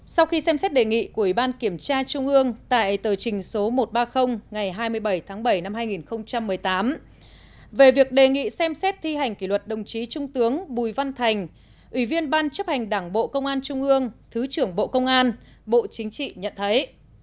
sau khi xem xét đề nghị của ủy ban kiểm tra trung ương tại tờ trình số một trăm ba mươi ngày hai mươi bảy tháng bảy năm hai nghìn một mươi tám về việc đề nghị xem xét thi hành kỷ luật đồng chí trung tướng bùi văn thành ủy viên ban chấp hành đảng bộ công an trung ương thứ trưởng bộ công an bộ chính trị nhận thấy